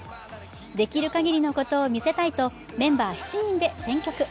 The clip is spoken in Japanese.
できる限りのことを見せたいとメンバー７人で選曲。